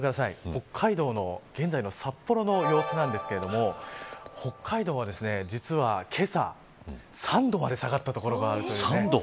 北海道の現在の札幌の様子なんですけれども北海道は、実はけさ３度まで下がった所があります。